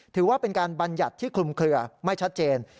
ถือว่าเป็นการบรรยัติที่คลุมเคลือไม่ชัดเจน